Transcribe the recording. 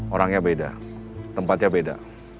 orangnya beda tempatnya beda